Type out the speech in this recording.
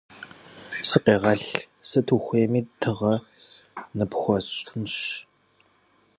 - Сыкъегъэл! Сыт ухуейми тыгъэ ныпхуэсщӀынщ!